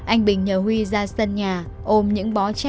anh bình nhờ huy ra sân nhà ôm những bó cha